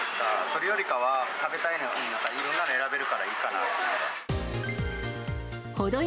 それよりかは、食べたいの、いろんなの選べるからいいかなって。